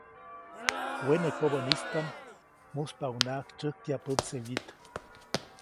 Wene kobädaʼm muspaʼuŋnaʼajk tsyäjkya pätse wyit.